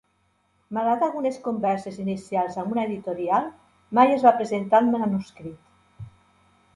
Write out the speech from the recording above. Malgrat algunes converses inicials amb una editorial, mai es va presentar el manuscrit.